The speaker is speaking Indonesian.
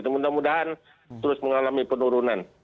mudah mudahan terus mengalami penurunan